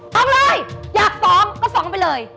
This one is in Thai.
ฟ้องเลยอยากฟ้องก็ฟ้องไปเลย